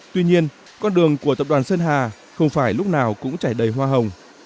tuy nhiên con đường của tập đoàn sơn hà không phải lúc nào cũng chảy đầy hoa hồng